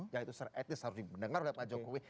yaitu secara etnis harus didengarkan oleh pak jokowi